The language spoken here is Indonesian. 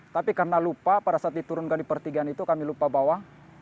tapi karena lupa pada saat diturunkan di pertigaan itu kami lupa bawa